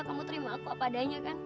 kamu terima aku apa adanya kan